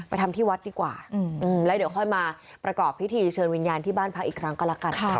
ทำที่วัดดีกว่าแล้วเดี๋ยวค่อยมาประกอบพิธีเชิญวิญญาณที่บ้านพักอีกครั้งก็แล้วกันค่ะ